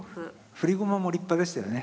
振り駒も立派でしたよね。